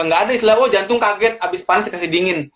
nggak ada istilahnya oh jantung kaget abis panas dikasih dingin